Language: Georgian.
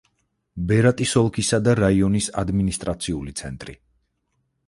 ბერატის ოლქისა და რაიონის ადმინისტრაციული ცენტრი.